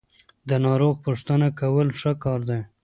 د ناروغ پوښتنه کول ښه کار دی.